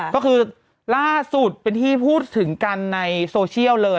ก็คือล่าสุดเป็นที่พูดถึงกันในโซเชียลเลย